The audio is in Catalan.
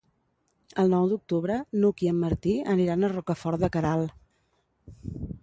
El nou d'octubre n'Hug i en Martí aniran a Rocafort de Queralt.